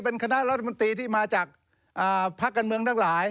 เป็นคณะรัฐมนตรีที่มาจากภาคการเมืองทั้งหลาย